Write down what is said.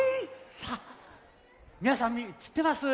さあみなさんしってます？